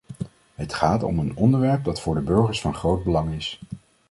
Het gaat om een onderwerp dat voor de burgers van groot belang is.